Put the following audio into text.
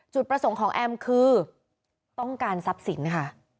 จุดประสงค์ของแอมคือต้องการทรัพย์สินค่ะ